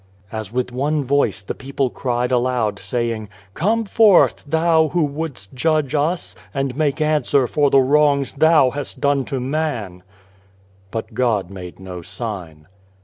As with one voice the people cried aloud, saying :" Come forth, Thou who wouldst judge us, and make answer for the wrongs Thou hast done to man." But God made no sign.